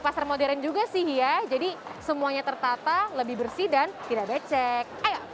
pasar modern juga sih ya jadi semuanya tertata lebih bersih dan tidak becek ayo